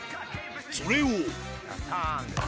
それを。